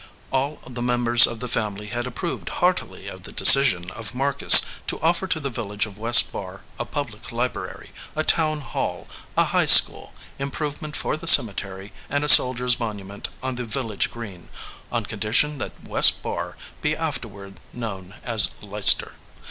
All the mem bers of the family had approved heartily of the decision of Marcus to offer to the village of West Barr a public library, a town hall, a high school, improvement for the cemetery, and a soldiers monument on the village green, on condition that West Barr be afterward known as Leicester.